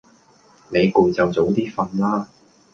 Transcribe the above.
你攰就早啲瞓啦